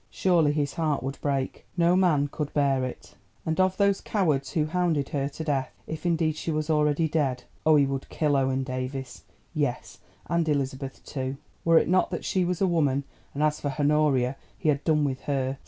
Surely his heart would break. No man could bear it! And of those cowards who hounded her to death, if indeed she was already dead! Oh, he would kill Owen Davies—yes, and Elizabeth too, were it not that she was a woman; and as for Honoria he had done with her.